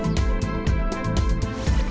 hanya dengan pengetahuan yang terhadap anak anak